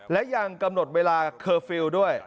และยังกำหนดเวลาเคอร์ฟิลล์ด้วย